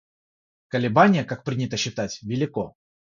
Колебание, как принято считать, велико.